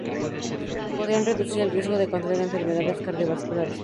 Podrían reducir el riesgo de contraer enfermedades cardiovasculares.